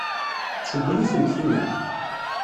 Tcewwel-itent tinna?